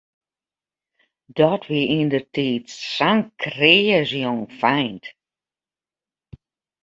Dat wie yndertiid sa'n kreas jongfeint.